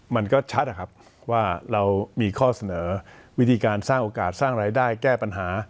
มันก็ชัดนะครับว่าเรามีข้อเสนอวิธีการสร้างโอกาสสร้างรายได้แก้ปัญหา